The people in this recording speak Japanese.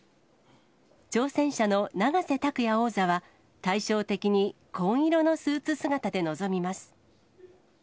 挑戦者の永瀬拓矢王座は、対照的に紺色のスーツ姿で臨みます。